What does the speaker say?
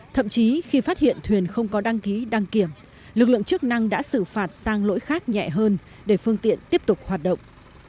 thậm chí khi phát hiện thuyền không có đăng ký đăng kiểm lực lượng chức năng đã xử phạt sang lỗi khác nhẹ hơn để phương tiện tiếp tục hoạt động